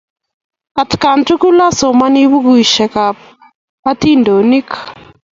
Atkan tukul asomani pukuisyek ap atindyonik